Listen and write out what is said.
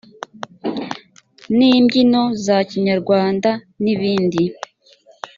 n imbyino za kinyarwanda n ibindi